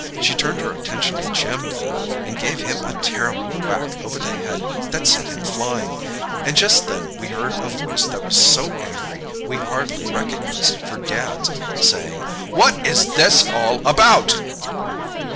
She turned her attention to Jim then, and gave him a terrible whack over the head that sent him flying. And just then we heard a voice that was so angry we hardly recognised it for Dad's, saying— "'What is this all about?